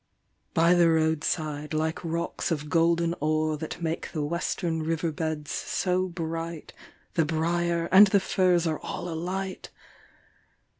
By the roadside, like rocks of golden ore That make the western river beds so bright, The briar and the furze are all alight!